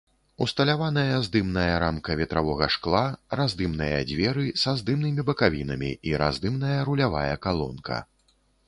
Усталяваная здымная рамка ветравога шкла, раздымныя дзверы са здымнымі бакавінамі і раздымная рулявая калонка.